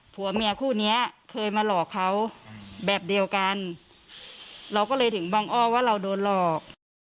ผัวเมียคู่นี้เคยมาหลอกเขาแบบเดียวกันเราก็เลยถึงบังอ้อว่าเราโดนหลอก